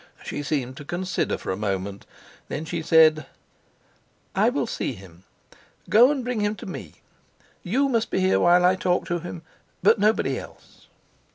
She seemed to consider for a moment, then she said: "I will see him. Go and bring him to me. You must be here while I talk to him, but nobody else."